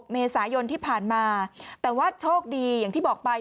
เมษายนที่ผ่านมาแต่ว่าโชคดีอย่างที่บอกไป